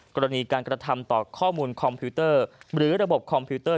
กรณีการกระทำต่อข้อมูลคอมพิวเตอร์หรือระบบคอมพิวเตอร์